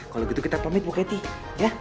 kalo gitu kita pamit ibu kety ya